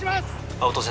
青戸先生